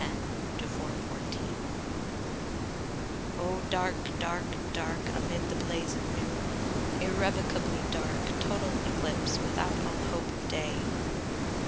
"O dark, dark, dark, amid the blaze of Noon, Irrecoverably dark, total eclipse, Without all hope of day!"